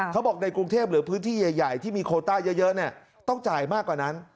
เขาบอกในกรุงเทพหรือพื้นที่ใหญ่ที่มีโคต้าเยอะต้องจ่ายมากกว่านั้น